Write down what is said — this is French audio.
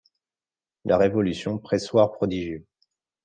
La Révolution, pressoir prodigieux